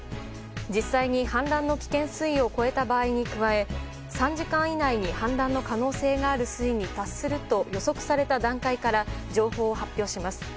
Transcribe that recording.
実際に氾濫の危険水位を超えた場合に加え３時間以内に氾濫の可能性のある水位に達すると予測された段階から情報を発表します。